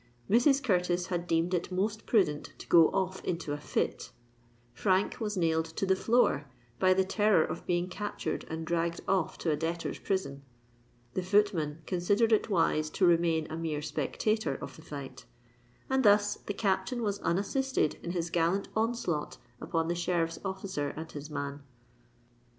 Mrs. Curtis had deemed it most prudent to go off into a fit—Frank was nailed to the floor by the terror of being captured and dragged off to a debtor's prison—the footman considered it wise to remain a mere spectator of the fight;—and thus the Captain was unassisted in his gallant onslaught upon the sheriffs' officer and his man.